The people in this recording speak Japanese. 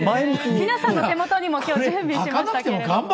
皆さんの手元にもきょう、準備しましたけど。